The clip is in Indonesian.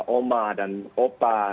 oma dan opa